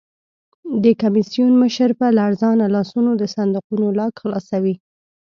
د کمېسیون مشر په لړزانه لاسونو د صندوقونو لاک خلاصوي.